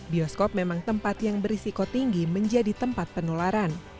bioskop memang tempat yang berisiko tinggi menjadi tempat penularan